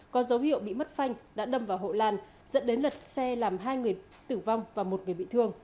có dấu hiệu bị mất phanh đã đâm vào hộ lan dẫn đến lật xe làm hai người tử vong và một người bị thương